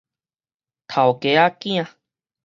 頭家仔囝